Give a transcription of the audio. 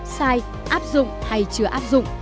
sai áp dụng hay chưa áp dụng